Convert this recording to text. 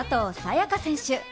也伽選手